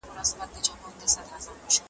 زر یې پټ تر وني لاندي کړل روان سول ,